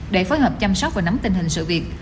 để phối hợp chăm sóc và nắm tình hình sự việc